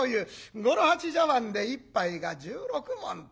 五郎八茶碗で１杯が１６文という。